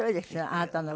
あなたの。